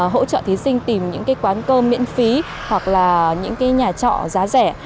hỗ trợ thí sinh tìm những quán cơm miễn phí hoặc là những nhà trọ giá rẻ